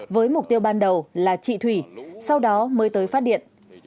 với mục tiêu ban đầu là chị thủy sau đó mới tới phát điện